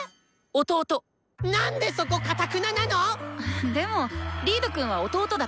・何でそこかたくななの⁉・でもリードくんは弟だから。